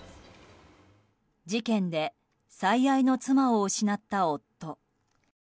事件で最愛の妻を失った夫。